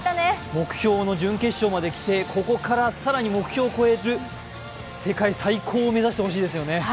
目標の準決勝まできて、ここから目標を超える世界最高を目指してほしいですよね。